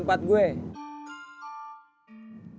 gak ada yang ngerti